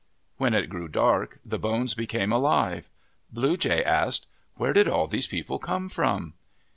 When it grew dark, the bones became alive. Blue Jay asked, " Where did all these people come from